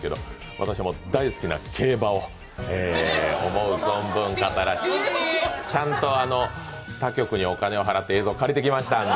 私も大好きな競馬を思う存分語らせてちゃんと他局にお金を払って借りてきましたので。